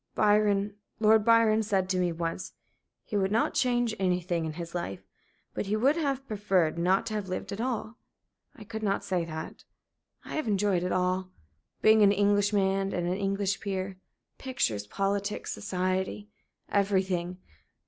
Byron Lord Byron said to me, once, he would not change anything in his life; but he would have preferred not to have lived at all. I could not say that. I have enjoyed it all being an Englishman, and an English peer pictures, politics, society everything.